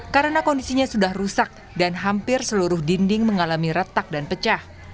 karena kondisinya sudah rusak dan hampir seluruh dinding mengalami retak dan pecah